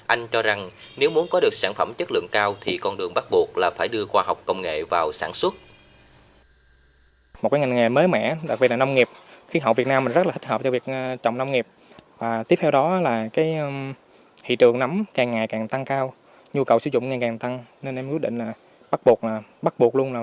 anh cho rằng nếu muốn có được sản phẩm chất lượng cao thì con đường bắt buộc là phải đưa khoa học công nghệ vào sản xuất